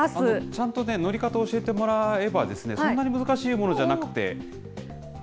ちゃんとね、乗り方を教えてもらえば、そんなに難しいものじ